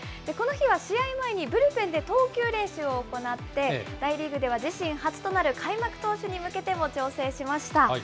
この日は試合前にブルペンで投球練習を行って、大リーグでは自身初となる開幕投手に向けても調整しました。